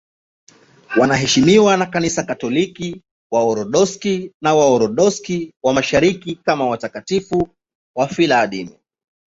Wanaheshimiwa na Kanisa Katoliki, Waorthodoksi na Waorthodoksi wa Mashariki kama watakatifu wafiadini.